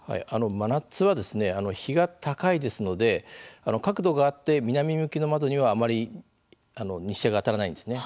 真夏は、日が高いですので角度があって、南向きの窓にはあまり日射が当たらないんですね。